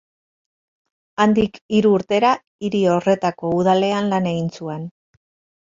Handik hiru urtera, hiri horretako udalean lan egin zuen.